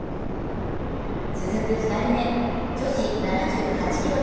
続く２人目、女子７８キロ